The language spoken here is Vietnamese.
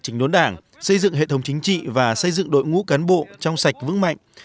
chỉnh đốn đảng xây dựng hệ thống chính trị và xây dựng đội ngũ cán bộ trong sạch vững mạnh